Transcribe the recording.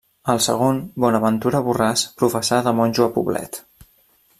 El segon, Bonaventura Borràs, professà de monjo a Poblet.